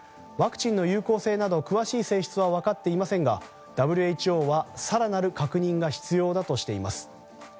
ワクチンの有効性など詳しい性質は分かっていませんがＷＨＯは更なる確認が必要だとしています。